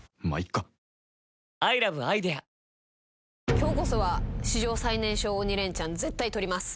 今日こそは史上最年少鬼レンチャン絶対取ります！